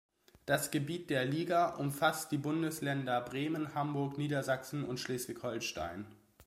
Das Gebiet der Liga umfasst die Bundesländer Bremen, Hamburg, Niedersachsen und Schleswig-Holstein.